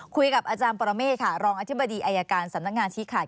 คุยกับอาจารย์ปรเมฆค่ะรองอธิบดีอายการสำนักงานชี้ขาด